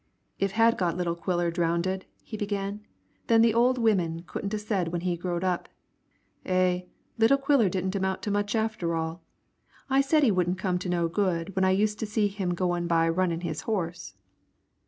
"If had got little Quiller drownded," he began, "then the old women couldn't a said when he growed up, 'Eh, little Quiller didn't amount to much after all. I said he wouldn't come to no good when I used to see him goin' by runnin' his horse.'